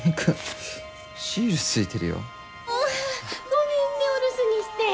ごめんねお留守にして。